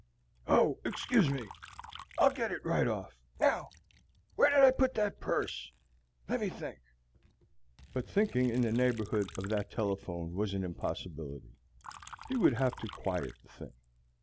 "Oh, excuse me! I'll get it right off. Now, where did I put that purse? Let me think." But thinking in the neighborhood of that telephone was an impossibility. He would have to quiet the thing.